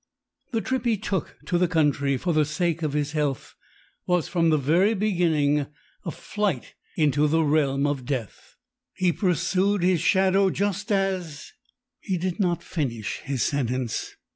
The trip he took to the country for the sake of his health was from the very beginning a flight into the realm of death. He pursued his shadow just as " He did not finish his sentence.